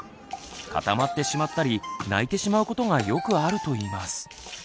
固まってしまったり泣いてしまうことがよくあるといいます。